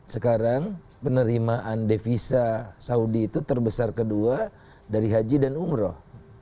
sekarang penerimaan devisa saudi itu terbesar kedua dari haji dan umroh